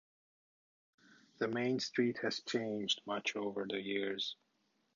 The main street has changed much over the years.